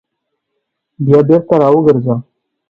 بیا بېرته راوګرځه !